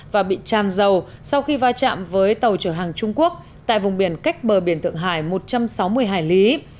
và bị tràn dầu sau khi va chạm với tàu chở hàng trung quốc tại vùng biển cách bờ biển thượng hải một trăm sáu mươi hải lý